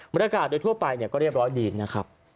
บรรยากาศโดยทั่วไปก็เรียบร้อยดีนะครับ